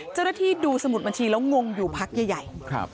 เจ้าหน้าที่ดูสมุดบัญชีแล้วงงอยู่พักใหญ่